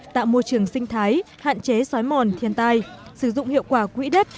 tạo môi trường sinh thái hạn chế xói mòn thiên tai sử dụng hiệu quả quỹ đất